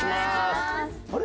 あれ？